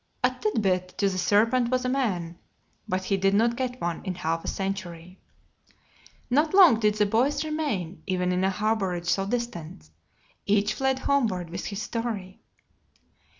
A tidbit to the serpent was a man, but he did not get one in half a century. Not long did the boys remain even in a harborage so distant. Each fled homeward with his story.